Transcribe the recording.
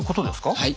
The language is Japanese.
はい。